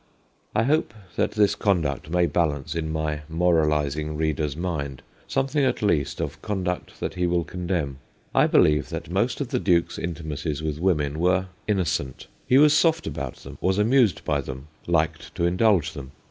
I hope that this conduct may balance, in my moral ising reader's mind, something at least of conduct he will condemn. I believe that most of the Duke's intimacies with wome* were * innocent '; he was soft about them, was amused by them, liked to indulge them.